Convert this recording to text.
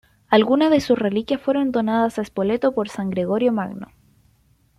Algunas de sus reliquias fueron donadas a Spoleto por San Gregorio Magno.